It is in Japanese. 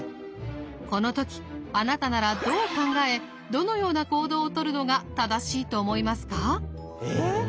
この時あなたならどう考えどのような行動をとるのが正しいと思いますか？